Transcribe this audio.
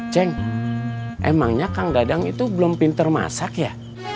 ceng emangnya kang dadang itu belum pinter masak ya